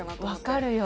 わかるよ。